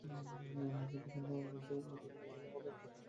মুসলিম প্রধান রাজ্যে উধমপুর জেলা হল একটি হিন্দু সংখ্যাগরিষ্ঠ জেলা।